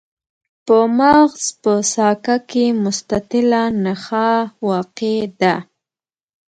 په مغز په ساقه کې مستطیله نخاع واقع ده.